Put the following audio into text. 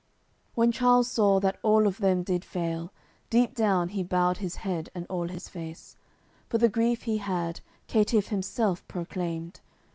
AOI. CCLXXVII When Charles saw that all of them did fail, Deep down he bowed his head and all his face For th' grief he had, caitiff himself proclaimed.